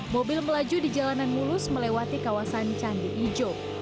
mobil melaju di jalanan mulus melewati kawasan candi ijo